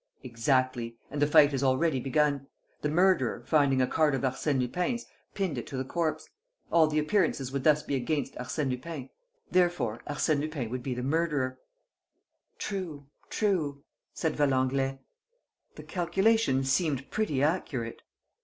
"Exactly. And the fight has already begun. The murderer, finding a card of Arsène Lupin's, pinned it to the corpse. All the appearances would thus be against Arsène Lupin ... therefore, Arsène Lupin would be the murderer." "True ... true," said Valenglay. "The calculation seemed pretty accurate."